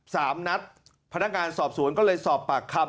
สามนัดพนักงานสอบสวนก็เลยสอบปากคำ